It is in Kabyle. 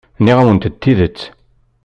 Nniɣ-awent-d tidet.